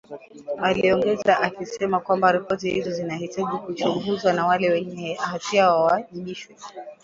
aliongeza akisema kwamba ripoti hizo zinahitaji kuchunguzwa na wale wenye hatia wawajibishwe